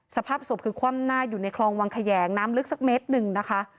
สภาพศพคือคว่ำหน้าอยู่ในคลองวังแขยงน้ำลึกสักเมตรหนึ่งนะคะ